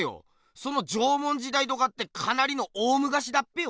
その縄文時代とかってかなりの大むかしだっぺよ？